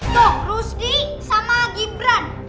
tuh rusdi sama gibran